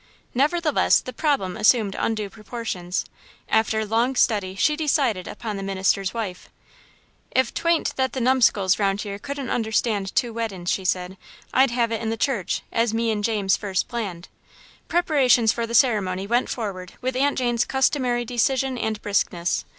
Nevertheless, the problem assumed undue proportions. After long study, she decided upon the minister's wife. "If 'twa'nt that the numskulls round here couldn't understand two weddin's," she said, "I'd have it in the church, as me and James first planned." Preparations for the ceremony went forward with Aunt Jane's customary decision and briskness.